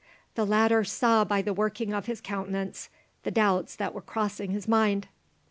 The latter saw by the working of his countenance, the doubts that were crossing his mind.